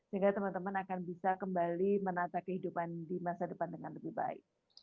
sehingga teman teman akan bisa kembali menata kehidupan di masa depan dengan lebih baik